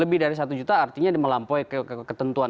lebih dari satu juta artinya dia melampaui ketentuan perusahaan